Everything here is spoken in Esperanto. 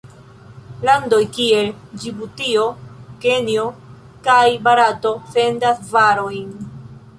Landoj kiel Ĝibutio, Kenjo kaj Barato sendas varojn.